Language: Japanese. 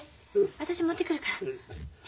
私持ってくるから。ね。